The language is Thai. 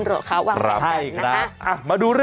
โอ้โหโอ้โห